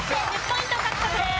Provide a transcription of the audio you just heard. １０ポイント獲得です。